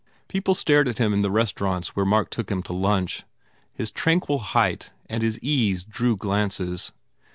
People stared at him in the restaurants where Mark took him to lunch. His tranquil height and his ease drew glances.